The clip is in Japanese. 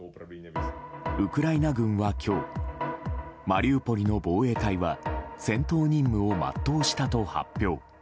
ウクライナ軍は今日マリウポリの防衛隊は戦闘任務を全うしたと発表。